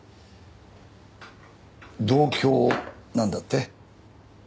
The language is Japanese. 同郷なんだって？